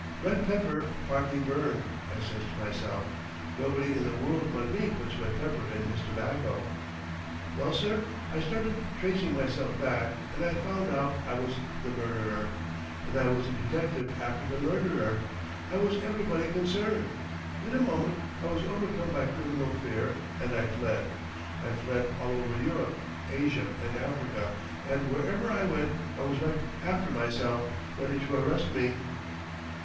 'Red pepper partly burned!' I says to myself. 'Nobody in the world but me puts red pepper in his tobacco.' "Well, sir, I started tracing myself back and I found out I was the murderer. And I was the detective after the murderer. I was everybody concerned. In a moment I was overcome by criminal fear and I fled. I fled all over Europe, Asia, and Africa, and wherever I went I was right after myself, ready to arrest me."